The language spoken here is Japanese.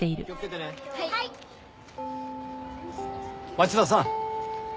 町田さん。